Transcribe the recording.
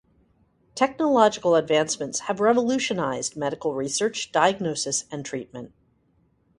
Technological advancements have revolutionized medical research, diagnosis, and treatment.